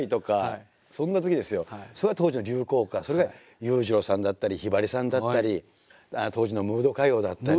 当時の流行歌それが裕次郎さんだったりひばりさんだったり当時のムード歌謡だったり。